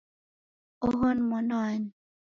Oho ni mwana wani?